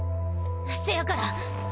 せやから！